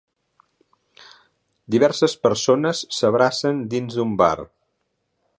Diverses persones s'abracen dins d'un bar.